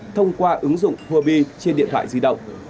thông qua ứng dụng hobby trên điện thoại di động